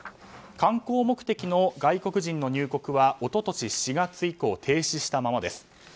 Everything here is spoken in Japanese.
観光目的の外国人の入国は一昨年４月以降停止したままです。